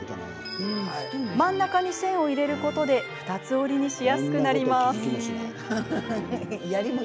真ん中に線を入れることで二つ折りにしやすくなります。